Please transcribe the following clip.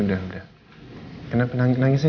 udah nangis ya